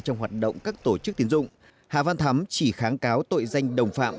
trong hoạt động các tổ chức tiến dụng hà văn thắm chỉ kháng cáo tội danh đồng phạm